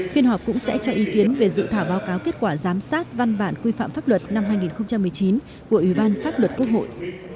phiên họp cũng sẽ cho ý kiến về dự thảo báo cáo kết quả giám sát văn bản quy phạm pháp luật năm hai nghìn một mươi chín của ủy ban pháp luật quốc hội